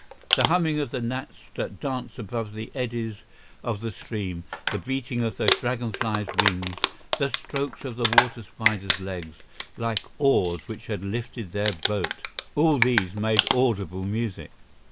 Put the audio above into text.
The humming of the gnats that danced above the eddies of the stream, the beating of the dragon flies' wings, the strokes of the water spiders' legs, like oars which had lifted their boat—all these made audible music.